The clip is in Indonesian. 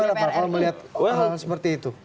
gimana pak kalau melihat hal hal seperti itu